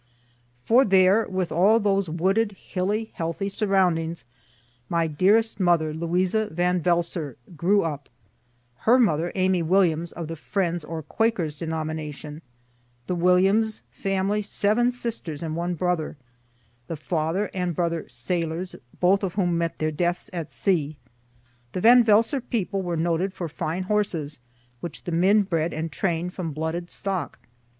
For there with all those wooded, hilly, healthy surroundings, my dearest mother, Louisa Van Velsor, grew up (her mother, Amy Williams, of the Friends' or Quakers' denomination the Williams family, seven sisters and one brother the father and brother sailors, both of whom met their deaths at sea.) The Van Velsor people were noted for fine horses, which the men bred and train'd from blooded stock.